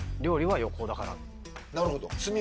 なるほど。